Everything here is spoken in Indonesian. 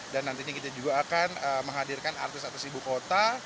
dan nantinya kita juga akan menghadirkan artis atas ibu kota